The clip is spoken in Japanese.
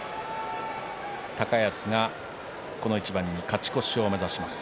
高安がこの一番に勝ち越しを目指します